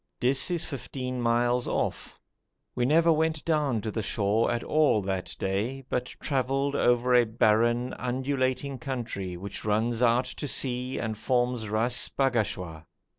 Dis is fifteen miles off. We never went down to the shore at all that day, but travelled over a barren, undulating country which runs out to sea and forms Ras Bagashwa.